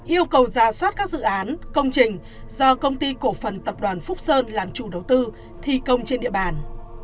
yêu cầu giả soát các dự án công trình do công ty cổ phần tập đoàn phúc sơn làm chủ đầu tư thi công trên địa bàn